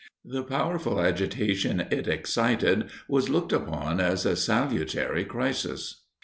The powerful agitation it excited was looked upon as a salutary crisis.